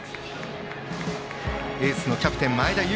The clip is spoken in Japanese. エースのキャプテン前田悠